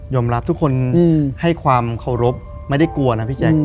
รับทุกคนให้ความเคารพไม่ได้กลัวนะพี่แจ๊ค